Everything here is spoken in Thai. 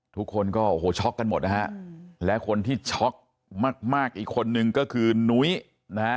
ทุกคนก็โอ้โหช็อกกันหมดนะฮะและคนที่ช็อกมากอีกคนนึงก็คือนุ้ยนะฮะ